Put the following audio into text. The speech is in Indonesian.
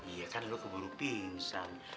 iya kan lu keburu pingsan